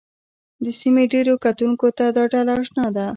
د سیمې ډېرو کتونکو ته دا ډله اشنا ده